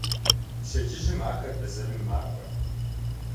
Пщэдджыжьым ахэр бэзэрым макӏуэр.